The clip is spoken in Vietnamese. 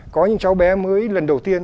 có những cháu bé mới lần đầu tiên